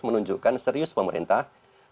menunjukkan serius pemerintah